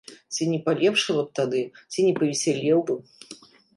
Ці не палепшала б тады, ці не павесялеў бы.